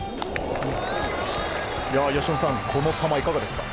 由伸さん、この球いかがですか。